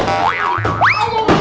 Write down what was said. eh mau kemana